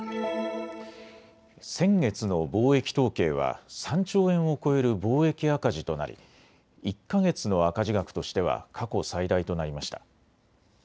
先月の貿易統計は３兆円を超える貿易赤字となり１か月の赤字額としては過去最大となりました。